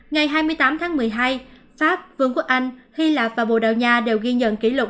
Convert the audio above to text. ngày hai mươi tám tháng một mươi hai pháp vương quốc anh hy lạp và bồ đào nha đều ghi nhận kỷ lục